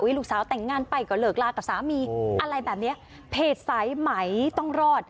ลูกสาวแต่งงานไปก็เลิกลากับสามีอะไรแบบเนี้ยเพจสายไหมต้องรอด